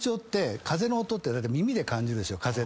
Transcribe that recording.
風の音って耳で感じるでしょ。